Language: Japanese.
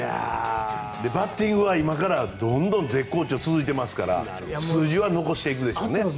バッティングは今からどんどん絶好調が続いているので数字は残していくでしょうね。